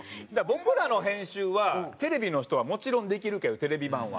僕らの編集はテレビの人はもちろんできるけどテレビマンは。